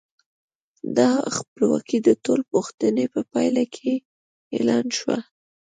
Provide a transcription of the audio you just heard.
دا خپلواکي د ټول پوښتنې په پایله کې اعلان شوه.